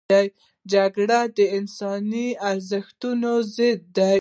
جګړه د انساني ارزښتونو ضد ده